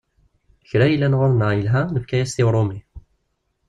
Kra yellan ɣur-neɣ yelha, nefka-as-t i Urumi.